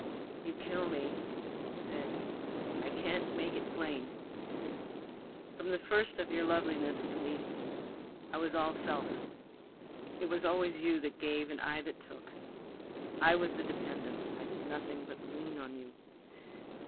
"You kill me!" he said. "I can't make it plain. From the first of your loveliness to me, I was all self. It was always you that gave and I that took. I was the dependent I did nothing but lean on you.